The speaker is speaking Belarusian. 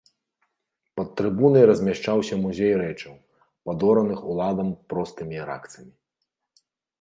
Пад трыбунай размяшчаўся музей рэчаў, падораных уладам простымі іракцамі.